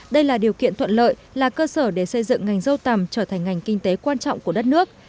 đây là điều kiện thuận lợi là cơ sở để xây dựng ngành dâu tằm trở thành ngành kinh tế quan trọng của đất nước